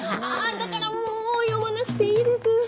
あだからもう読まなくていいです。